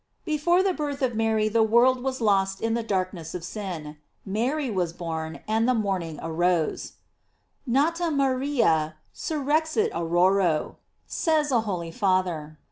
BEFORE the birth of Mary the world was lost in the darkness of sin. Mary was born, and the morning arose: "Nata Maria, surrexit auro ro,"says a holy Father.